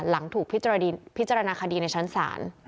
หลังถูกพิจารณาคดีในชั้นศาล